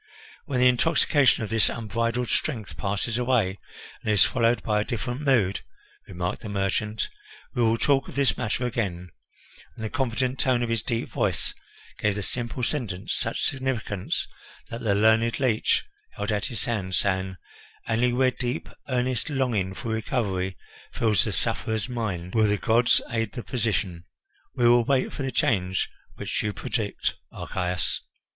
"When the intoxication of this unbridled strength passes away, and is followed by a different mood," remarked the merchant, "we will talk of this matter again," and the confident tone of his deep voice gave the simple sentence such significance that the learned leech held out his hand, saying: "Only where deep, earnest longing for recovery fills the sufferer's mind will the gods aid the physician. We will wait for the change which you predict, Archias!"